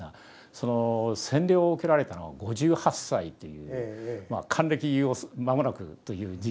その洗礼を受けられたのは５８歳という還暦を間もなくという時期だったわけですね。